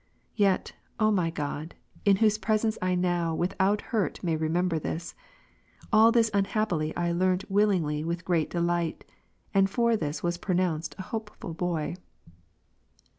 Yet, O my God, (in whose presence I now without hurt may remember this,) all this unhappy I learnt willingly Avith great delight, and for this was pronounced a hoj^eful boy.